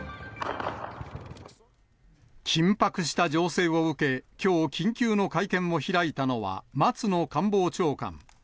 緊迫した情勢を受け、きょう、緊急の会見を開いたのは松野官房長官。